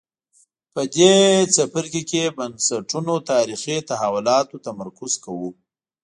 په دې څپرکي کې بنسټونو تاریخي تحولاتو تمرکز کوو.